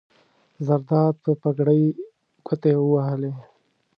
زرداد په پګړۍ ګوتې ووهلې.